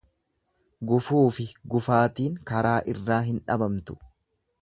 Gufuufi gufaatiin karaa irraa hin dhabamtu.